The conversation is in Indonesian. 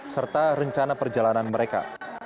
serta rencana perjalanan mereka